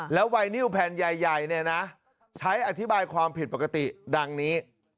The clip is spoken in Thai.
แล้วไงเนี่ยแค่ง่ายเนี่ยนะใช้อธิบายความผิดปกติดังนี้